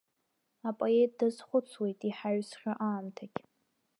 Апоет дазхәыцуеит иҳаҩсхьоу аамҭагьы.